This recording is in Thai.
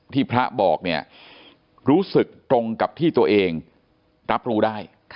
พระบอกเนี่ยรู้สึกตรงกับที่ตัวเองรับรู้ได้